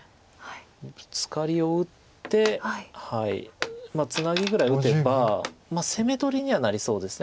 ブツカリを打ってツナギぐらい打てば攻め取りにはなりそうです。